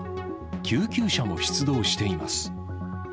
救急車も出動しています。